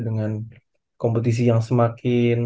dengan kompetisi yang semakin